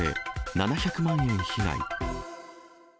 ７００万円被害。